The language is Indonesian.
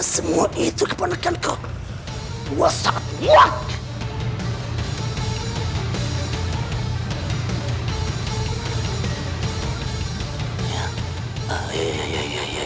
sampai jumpa di video selanjutnya